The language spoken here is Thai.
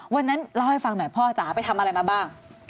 วันนั้นเล่าให้ฟังหน่อยพ่อจ๋าไปทำอะไรมาบ้าง